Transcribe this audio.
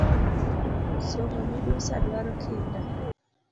Somo midusa duaro kinda?